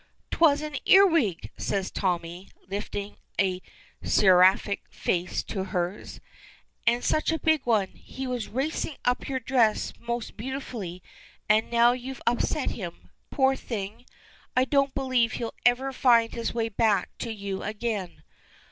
"'Twas an earwig!" says Tommy, lifting a seraphic face to hers. "And such a big one! He was racing up your dress most beautifully, and now you've upset him. Poor thing I don't believe he'll ever find his way back to you again."